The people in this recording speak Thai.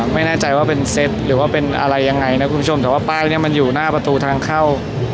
ไม่แน่ใจว่าเป็นเซตหรือว่าเป็นอะไรยังไงนะคุณผู้ชมแต่ว่าป้ายนี้มันอยู่หน้าประตูทางเข้า